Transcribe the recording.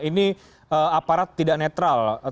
ini aparat tidak netral